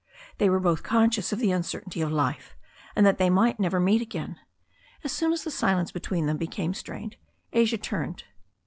They were both conscious of the uncertainty of life, and that they might never meet again. As soon as the silence between them became strained, Asia turned.